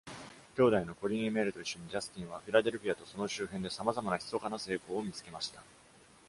兄弟のコリン・エメールと一緒に、ジャスティンはフィラデルフィアとその周辺でさまざまな秘かな成功を見つけました。